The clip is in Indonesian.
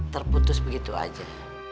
terputus begitu aja